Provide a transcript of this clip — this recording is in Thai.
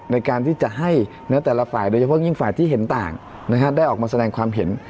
ในการที่จะให้เนื้อแต่ละฝ่ายโดยเฉพาะยิ่งฝ่ายที่เห็นต่างได้ออกมาแสดงความเห็น